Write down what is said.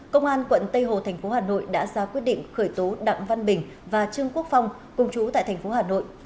công an quận tây hồ tp hà nội đã ra quyết định khởi tố đặng văn bình và trương quốc phong cùng chú tại tp hà nội